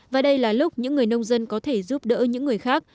và đây là lúc những người nông dân có thể giúp đỡ những người khác